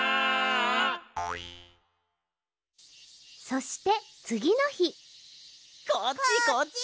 そしてつぎのひこっち